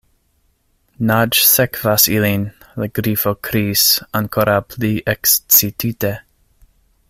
"Naĝsekvas ilin," la Grifo kriis, ankoraŭ pli ekscitite.